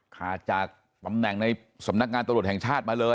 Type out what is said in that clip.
ขาดจากตำแหน่งในสำนักงานตำรวจแห่งชาติมาเลย